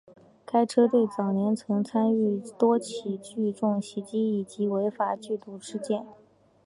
该车队早年曾参与多起聚众袭击以及违法聚赌事件。